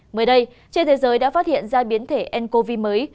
mới đây trên thế giới đã phát hiện ra biến thể ncov mới